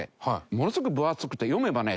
ものすごく分厚くて読めばね